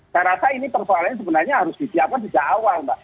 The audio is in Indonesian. saya rasa ini persoalannya sebenarnya harus disiapkan tidak awal